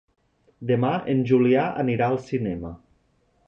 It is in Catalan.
Demà en Julià anirà al cinema.